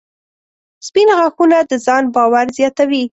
• سپین غاښونه د ځان باور زیاتوي.